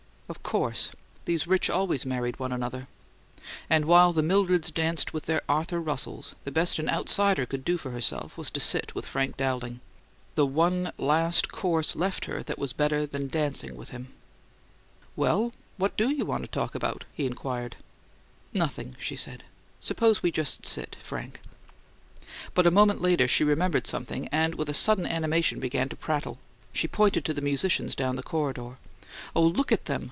Of course! These rich always married one another. And while the Mildreds danced with their Arthur Russells the best an outsider could do for herself was to sit with Frank Dowling the one last course left her that was better than dancing with him. "Well, what DO you want to talk about?" he inquired. "Nothing," she said. "Suppose we just sit, Frank." But a moment later she remembered something, and, with a sudden animation, began to prattle. She pointed to the musicians down the corridor. "Oh, look at them!